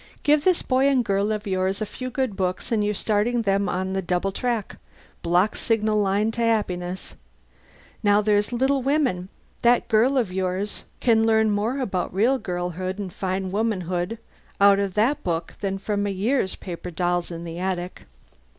Give this boy and girl of yours a few good books and you're starting them on the double track, block signal line to happiness. Now there's 'Little Women' that girl of yours can learn more about real girlhood and fine womanhood out of that book than from a year's paper dolls in the attic."